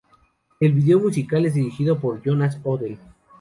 El vídeo musical es dirigido por Jonas Odell.